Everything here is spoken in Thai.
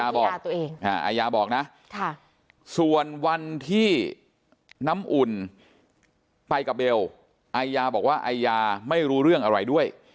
บอกอายาบอกนะส่วนวันที่น้ำอุ่นไปกับเบลอายาบอกว่าไอยาไม่รู้เรื่องอะไรด้วย